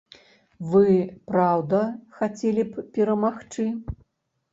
Вы, праўда, хацелі б перамагчы?